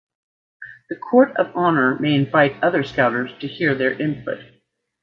The Court of Honor may invite other Scouters to hear their input.